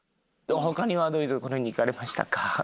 他にはどういう所に行かれましたか？